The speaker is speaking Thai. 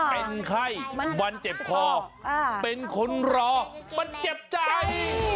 เป็นไข้มันเจ็บคอเป็นคนรอมันเจ็บใจ